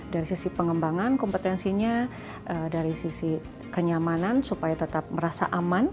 dari sisi pengembangan kompetensinya dari sisi kenyamanan supaya tetap merasa aman